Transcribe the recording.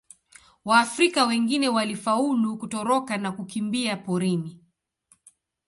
Waafrika wengine walifaulu kutoroka na kukimbia porini.